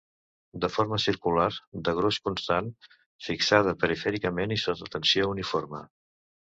De forma circular, de gruix constant, fixada perifèricament i sota tensió uniforme.